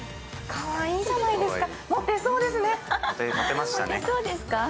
かわいいじゃないですか。